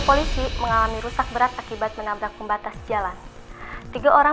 polisi mengalami rusak berat akibat menabrak pembatas jalan tiga orang